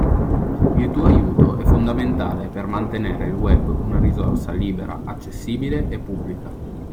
Il tuo aiuto è fondamentale per mantenere il Web una risorsa libera, accessibile e pubblica.